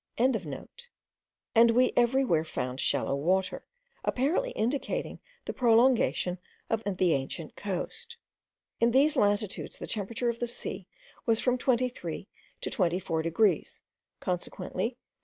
and we every where found shallow water, apparently indicating the prolongation of the ancient coast. In these latitudes the temperature of the sea was from twenty three to twenty four degrees, consequently from 1.